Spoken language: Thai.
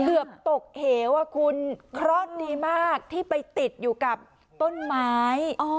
เกือบตกเหวอ่ะคุณเคราะห์ดีมากที่ไปติดอยู่กับต้นไม้